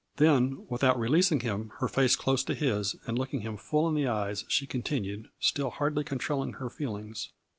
Then, without releasing him, her face close to his, and looking him full in the eyes, she continued, still hardly controlling her feelings.